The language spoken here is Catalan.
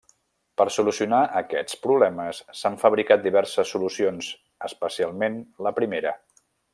Per solucionar aquests problemes s'han fabricat diverses solucions, especialment la primera.